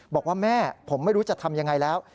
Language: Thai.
บอกว่าแม่ผมไม่รู้จะทำยังไงแล้ว